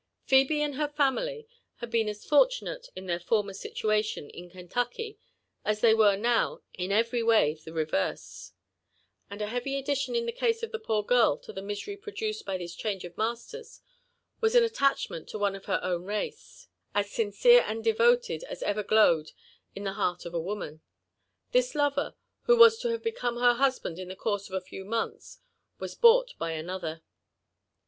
Phebe and her family had been as fortunate in their former situa lion in Kentucky as they were now in every way the reverse ; and a heavy addition in the case of the poor girl to the misery produced by this change of masters, was an attachment to one of her own race ts sincere and devoted as ever glowe4 in the heart of a woman. This bver, who was to have beconie her husband in the course of a few months, was bought by another.